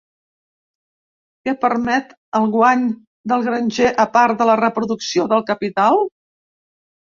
Què permet el guany del granger a part de la reproducció del capital?